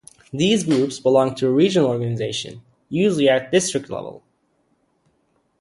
These groups belong to a regional organization, usually at district level.